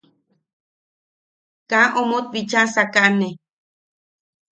–“Kaa omot bicha sakaʼane.”